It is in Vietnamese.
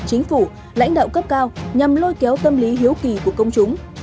chính phủ lãnh đạo cấp cao nhằm lôi kéo tâm lý hiếu kỳ của công chúng